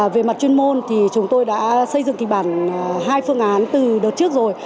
về mặt chuyên môn thì chúng tôi đã xây dựng kịch bản hai phương án từ đợt trước rồi